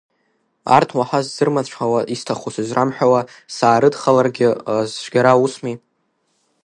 Арҭ уаҳа сзырмацәҳауа, исҭаху сызрамҳәауа саарыдхаларгьы цәгьара усми!